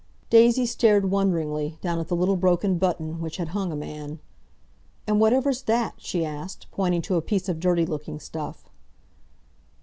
Daisy stared wonderingly, down at the little broken button which had hung a man. "And whatever's that!" she asked, pointing to a piece of dirty looking stuff.